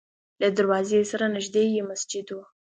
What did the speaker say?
له دروازې سره نږدې یې مسجد و.